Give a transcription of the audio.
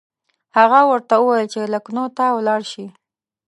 هغه ورته وویل چې لکنهو ته ولاړ شي.